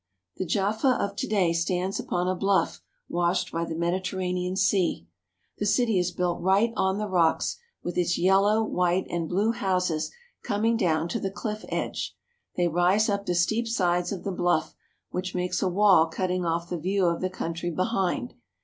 The Jaffa of to day stands upon a bluff washed by the Mediterranean Sea. The city is built right on the rocks, with its yellow, white, and blue houses coming down to the cliff edge. They rise up the steep sides of the bluff which makes a wall cutting off the view of the country behind.